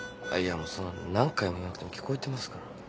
あっいやもうそんな何回も言わなくても聞こえてますから。